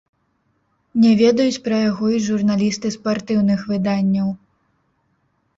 Не ведаюць пра яго і журналісты спартыўных выданняў.